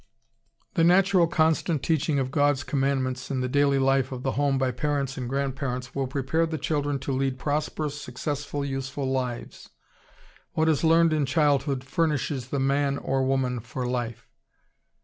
The natural, constant teaching of God's commandments in the daily life of the home by parents and grandparents will prepare the children to lead prosperous, successful, useful lives. What is learned in childhood "furnishes" the man or woman for life.